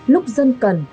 lúc dân cần